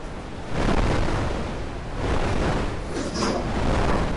Chambua karanga na zikaushe juani